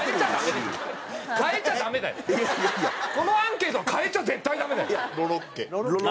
このアンケートは変えちゃ絶対ダメだよ！